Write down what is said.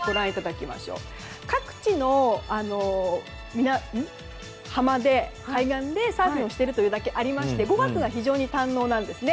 各地の海岸でサーフィンしているというだけあって語学が非常に堪能なんですね。